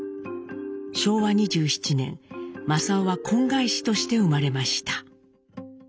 昭和２７年正雄は婚外子として生まれました。